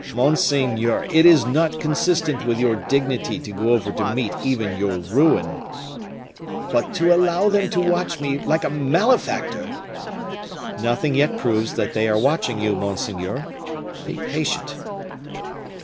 "Monseigneur, it is not consistent with your dignity to go to meet even your ruin." "But to allow them to watch me like a malefactor!" "Nothing yet proves that they are watching you, monseigneur; be patient!"